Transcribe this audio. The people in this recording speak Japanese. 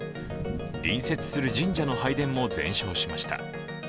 隣接する神社の拝殿も全焼しました。